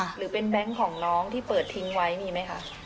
หรือเป็นแบงค์ของน้องที่เปิดทิ้งไว้มีไหมคะ